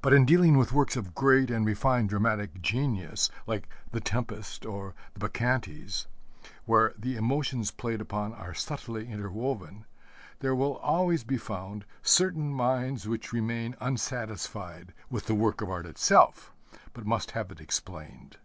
But in dealing with works of great and refined dramatic genius like the Tempest, or the Bacchantes, where the emotions played upon are subtly interwoven, there will always be found certain minds which remain unsatisfied with the work of art itself, but must have it explained.